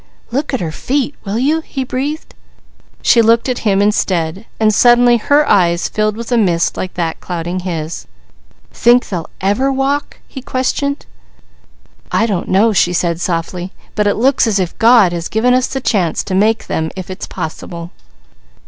"Look at her feet, will you?" he breathed. She looked at him instead, then suddenly her eyes filled with a mist like that clouding his. "Think they'll ever walk?" he questioned. "I don't know," she said softly, "but it looks as if God has given us the chance to make them if it's possible."